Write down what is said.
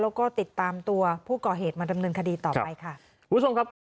แล้วก็ติดตามผู้เกาะเหตุมาดำเนินคดีต่อไปครับ